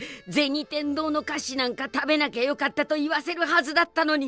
天堂の菓子なんか食べなきゃよかったと言わせるはずだったのに。